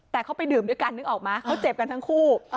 แต่เขาไปดื่มด้วยกันนึกออกมั้ยเขาเจ็บกันทั้งคู่